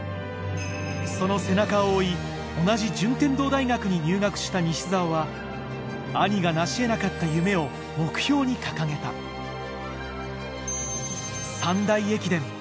その背中を追い同じ順天堂大学に入学した西澤は兄が成し得なかった夢を目標に掲げた思いが強ければ夢は叶う